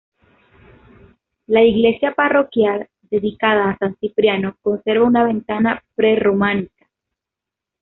La iglesia parroquial, dedicada a San Cipriano, conserva una ventana prerrománica.